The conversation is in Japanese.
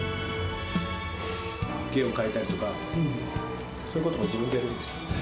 弦を替えたりとか、そういうことも自分でやるんです。